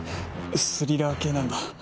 スリラー系なんだ。